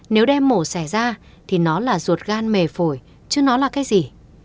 nếu đem mổ xẻ ra thì nó là ruột gan mề phổi chứ nó là cái gì